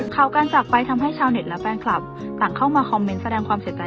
ข่าวการจากไปทำให้ชาวเน็ตและแฟนคลับต่างเข้ามาคอมเมนต์แสดงความเสียใจ